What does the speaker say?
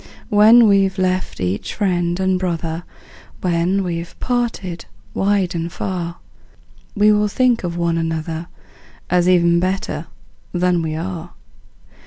When we've left each friend and brother, When we're parted wide and far, We will think of one another, As even better than we are.